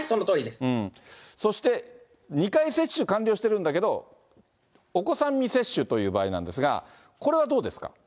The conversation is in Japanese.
そして、２回接種完了してるんだけど、お子さん未接種という場合なんですが、これはどうです